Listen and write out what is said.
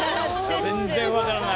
全然分からない。